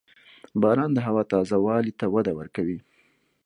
• باران د هوا تازه والي ته وده ورکوي.